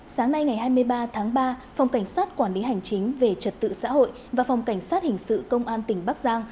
sáng nay ngày hai mươi ba tháng ba phòng cảnh sát quản lý hành chính về trật tự xã hội và phòng cảnh sát hình sự công an tỉnh bắc giang